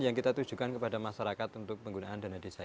yang kita tujukan kepada masyarakat untuk penggunaan